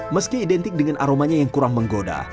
meski identik dengan aromanya yang kurang menggoda